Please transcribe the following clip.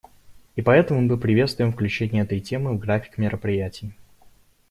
И поэтому мы приветствуем включение этой темы в график мероприятий.